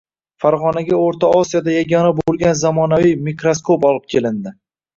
Farg‘onaga O‘rta Osiyoda yagona bo‘lgan zamonaviy mikroskop olib kelindi